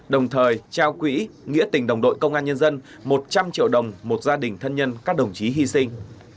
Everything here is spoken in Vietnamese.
đồng thời trao quỹ nghĩa tình đồng đội công an nhân dân một trăm linh triệu đồng một gia đình thân nhân các đồng chí hy sinh